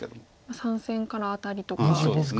３線からアタリとかですか。